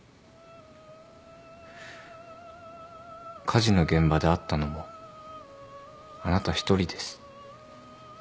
火事の現場で会ったのもあなた一人です。